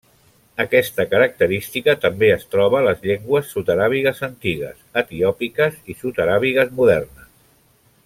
Aquesta característica també es troba a les llengües sud-aràbigues antigues, etiòpiques i sud-aràbigues modernes.